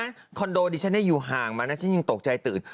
แล้วนี่นะคอนโดดิฉันได้อยู่ห่างมานะฉันยังตกใจตื่น